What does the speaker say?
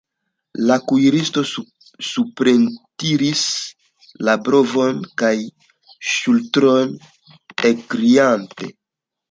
La kuiristo suprentiris la brovojn kaj ŝultrojn, ekkriante: